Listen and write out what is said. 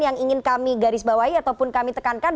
yang ingin kami garisbawahi ataupun kami tekankan